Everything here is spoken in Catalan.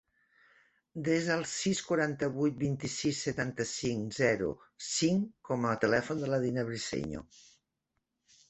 Desa el sis, quaranta-vuit, vint-i-sis, setanta-cinc, zero, cinc com a telèfon de la Dina Briceño.